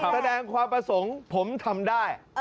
แสดงความประสงค์ผมทำได้